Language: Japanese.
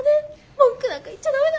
文句なんか言っちゃダメだ。